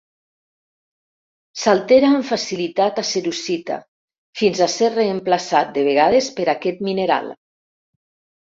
S'altera amb facilitat a cerussita, fins a ser reemplaçat de vegades per aquest mineral.